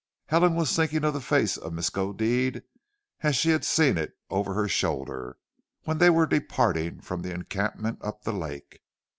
Helen was thinking of the face of Miskodeed as she had seen it over her shoulder, when they were departing from the encampment up the lake.